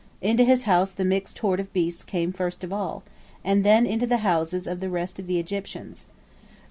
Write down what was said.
Into his house the mixed horde of beasts came first of all, and then into the houses of the rest of the Egyptians.